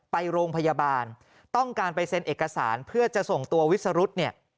ไปโรงพยาบาลต้องการไปเซ็นเอกสารเพื่อจะส่งตัววิสรุธเนี่ย